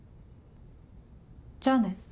じゃあね。